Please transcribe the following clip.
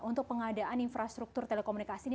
untuk pengadaan infrastruktur telekomunikasi ini